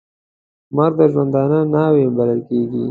مرګ د ژوندانه ناوې بلل کېږي .